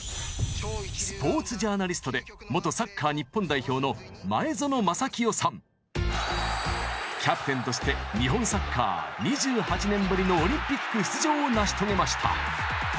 スポーツジャーナリストで元サッカー日本代表のキャプテンとして日本サッカー２８年ぶりのオリンピック出場を成し遂げました！